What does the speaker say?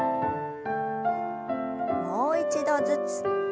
もう一度ずつ。